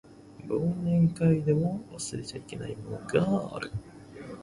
忘年会でも忘れちゃいけないものがある